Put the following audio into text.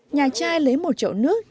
nhà trai lấy một chậu nước